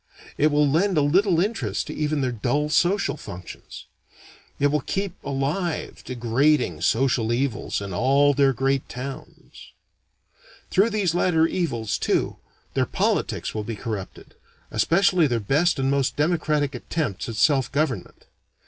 It will lend a little interest to even their dull social functions. It will keep alive degrading social evils in all their great towns. Through these latter evils, too, their politics will be corrupted; especially their best and most democratic attempts at self government.